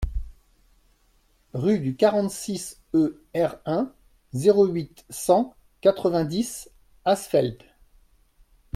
Rue du quarante-six e R.un., zéro huit, cent quatre-vingt-dix Asfeld